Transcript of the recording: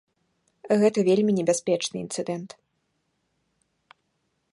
Гэта вельмі небяспечны інцыдэнт.